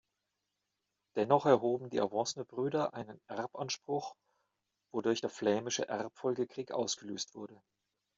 Dennoch erhoben die Avesnes-Brüder einen Erbanspruch wodurch der flämische Erbfolgekrieg ausgelöst wurde.